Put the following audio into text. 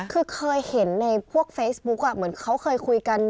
คือเคยเห็นในพวกเฟซบุ๊กเหมือนเขาเคยคุยกัน